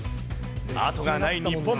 あとがない日本。